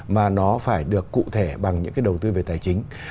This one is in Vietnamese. mà nó phải được cụ thể bằng những cái đầu tư về tài chính